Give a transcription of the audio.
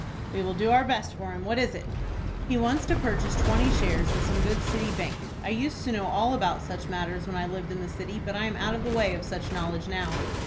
"We will do our best for him. What is it?" "He wants to purchase twenty shares in some good city bank. I used to know all about such matters when I lived in the city, but I am out of the way of such knowledge now."